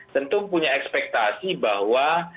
tentu punya ekspektasi bahwa